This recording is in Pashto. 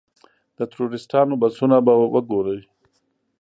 د ټوریسټانو بسونه به وګورئ.